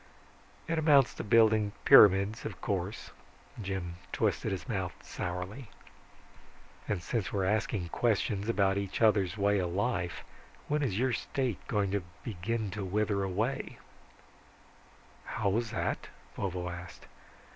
"It amounts to building pyramids, of course." Jim twisted his mouth sourly. "And since we're asking questions about each other's way of life, when is your State going to begin to wither away?" "How was that?" Vovo asked.